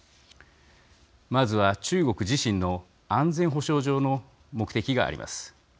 まずは、中国自身の安全保障上の目的があります。